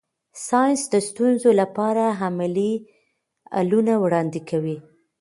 ساینس د ستونزو لپاره عملي حلونه وړاندې کوي.